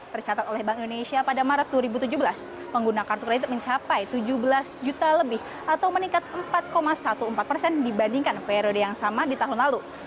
tercatat oleh bank indonesia pada maret dua ribu tujuh belas pengguna kartu kredit mencapai tujuh belas juta lebih atau meningkat empat empat belas persen dibandingkan periode yang sama di tahun lalu